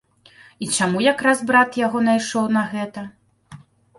І чаму якраз брат яго найшоў на гэта?